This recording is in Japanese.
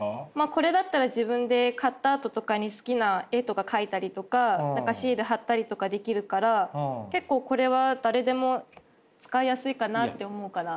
これだったら自分で買ったあととかに好きな絵とか描いたりとかシール貼ったりとかできるから結構これは誰でも使いやすいかなって思うから。